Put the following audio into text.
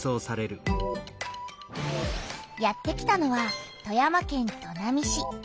やって来たのは富山県砺波市。